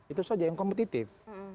itu saja yang kompetitif